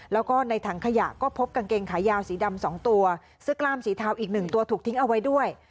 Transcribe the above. แล้วก็ในถังขยะก็พบกางเกงขายาวสีดำ๒ตัวเสื้อกล้ามสีเทาอีกหนึ่งตัวถูกทิ้งเอาไว้ด้วย